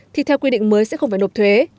thì theo quy định mới sẽ không phải nộp thuế